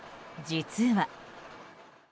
実は。